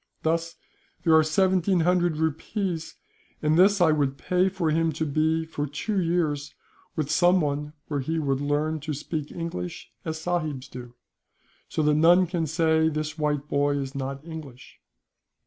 Thus there are seventeen hundred rupees, and this I would pay for him to be, for two years, with someone where he would learn to speak English as sahibs do, so that none can say this white boy is not English.